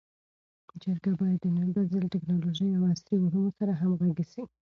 جرګه باید د نن ورځې له ټکنالوژۍ او عصري علومو سره همږغي سي.